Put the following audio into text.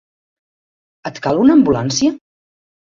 Et cal una ambulància?